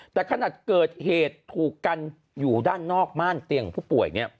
แต่ขนาดเกิดเหตุถูกกันอยู่ด้านนอกม่านเตียงของผู้ป่วย